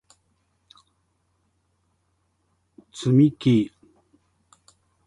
つみき